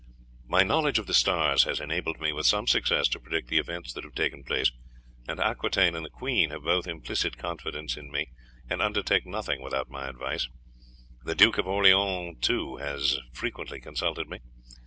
"My knowledge of the stars has enabled me with some success to predict the events that have taken place, and Aquitaine and the queen have both implicit confidence in me and undertake nothing without my advice. The Duke of Orleans, too, has frequently consulted me.